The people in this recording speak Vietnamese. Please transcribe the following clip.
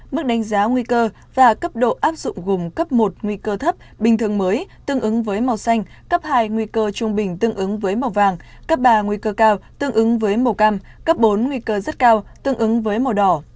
mức đánh giá nguy cơ và cấp độ áp dụng gồm cấp một nguy cơ thấp bình thường mới tương ứng với màu xanh cấp hai nguy cơ trung bình tương ứng với màu vàng cấp ba nguy cơ cao tương ứng với màu cam cấp bốn nguy cơ rất cao tương ứng với màu đỏ